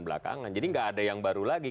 belakangan jadi nggak ada yang baru lagi